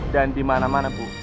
dan dimana mana bu